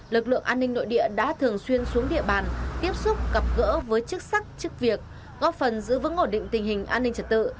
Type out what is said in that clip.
lực lượng an ninh nội địa đã thường xuyên xuống địa bàn tiếp xúc gặp gỡ với chức sắc chức việc góp phần giữ vững ổn định tình hình an ninh trật tự